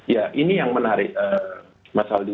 ya ini yang menarik mas aldi